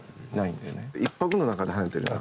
１拍の中で跳ねてるから。